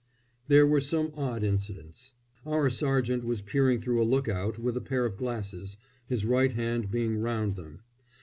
There were some odd incidents. Our sergeant was peering through a look out with a pair of glasses, his right hand being round them.